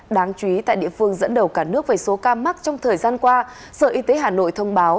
đáng chú ý tại địa phương dẫn đầu cả nước về số ca mắc trong thời gian qua sở y tế hà nội thông báo